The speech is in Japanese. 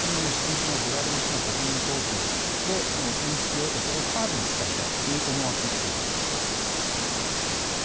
２７日のベラルーシの国民投票でお墨付きを得てそれをカードに使いたいという思惑でしょうか？